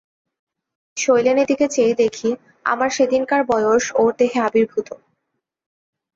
শৈলেনের দিকে চেয়ে দেখি, আমার সেদিনকার বয়স ওর দেহে আবির্ভূত।